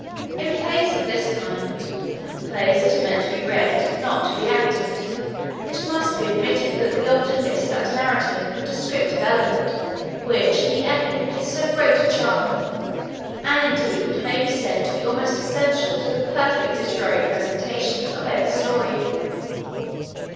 In plays of this kind (plays that are meant to be read, not to be acted) it must be admitted that we often miss that narrative and descriptive element which in the epic is so great a charm, and, indeed, may be said to be almost essential to the perfect literary presentation of any story.